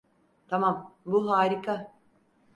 Tamam, bu harika.